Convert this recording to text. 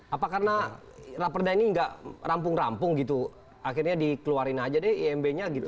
apa karena raperda ini nggak rampung rampung gitu akhirnya dikeluarin aja deh imb nya gitu